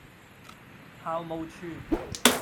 校務處